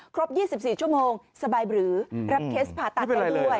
ครบ๒๔ชั่วโมงสบายบรือรับเคสผ่าตัดได้ด้วย